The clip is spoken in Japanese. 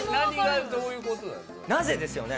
なぜ？ですよね。